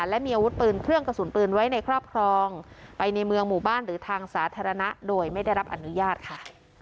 และมีอาวุธปืนเครื่องกระสุนปืนไว้ในครอบครองไปในเมืองหมู่บ้านหรือทางสาธารณะโดยไม่ได้รับอนุญาตค่ะ